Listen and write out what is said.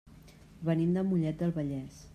Venim de Mollet del Vallès.